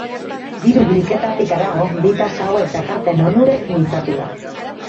Diru bilketatik harago bi tasa hauek dakarten onurez mintzatu da.